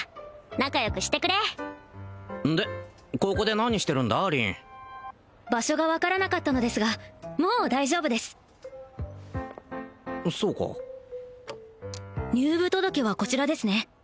仲よくしてくれでここで何してるんだ凛場所が分からなかったのですがもう大丈夫ですそうか入部届はこちらですね